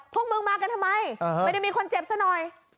พวกมึงมากันทำไมไม่ได้มีคนเจ็บซะหน่อย